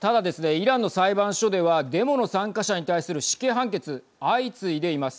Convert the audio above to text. イランの裁判所ではデモの参加者に対する死刑判決相次いでいます。